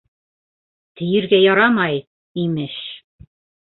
— Тейергә ярамай, имеш!